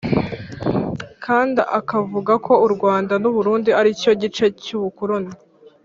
Kand avuga ko u Rwanda n u Burundi ari cyo gice cy ubukoroni